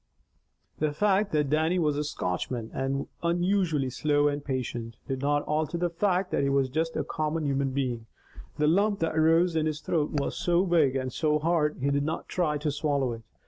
The fact that Dannie was a Scotchman, and unusually slow and patient, did not alter the fact that he was just a common human being. The lump that rose in his throat was so big, and so hard, he did not try to swallow it.